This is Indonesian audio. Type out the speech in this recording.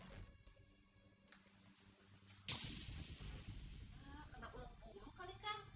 karena ulat bulu kali kan